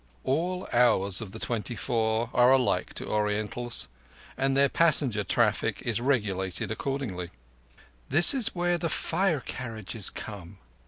All hours of the twenty four are alike to Orientals, and their passenger traffic is regulated accordingly. "This is where the fire carriages come.